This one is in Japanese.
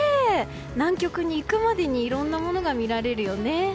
南極に行くまでにいろんなものが見られるよね。